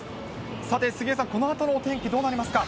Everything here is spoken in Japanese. さて杉江さん、このあとのお天気、どうなりますか。